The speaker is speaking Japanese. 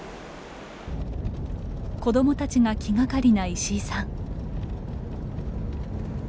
子どもたちが気がかりな石井さん。